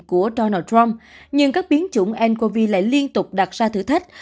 của donald trump nhưng các biến chủng ncov lại liên tục đặt ra thử thách